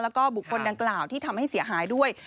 แล้วก็บุคคลดังกล่าวที่ทำให้เสียหายด้วย